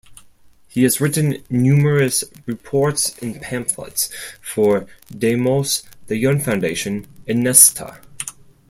He has written numerous reports and pamphlets for Demos, the Young Foundation and Nesta.